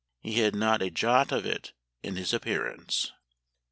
He had not a jot of it in his appearance."